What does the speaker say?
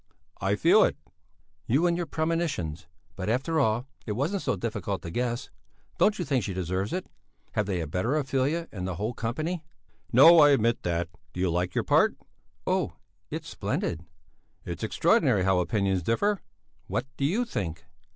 "I feel it." "You and your premonitions! But after all, it wasn't so difficult to guess. Don't you think she deserves it? Have they a better Ophelia in the whole company?" "No, I admit that! Do you like your part?" "Oh! It's splendid!" "It's extraordinary how opinions differ." "What do you think?"